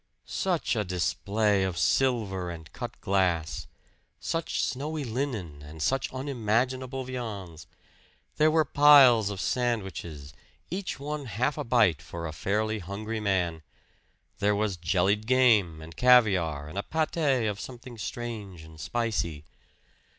Such a display of silver and cut glass! Such snowy linen, and such unimaginable viands! There were piles of sandwiches, each one half a bite for a fairly hungry man. There was jellied game, and caviar, and a pate of something strange and spicy.